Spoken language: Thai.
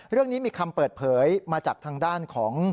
เรื่องนี้มีคำเปิดเผยมาจากทางด้านของ